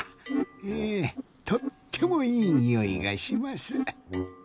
えとってもいいにおいがします。